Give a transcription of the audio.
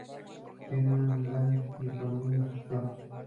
Tienen un gran dimorfismo sexual.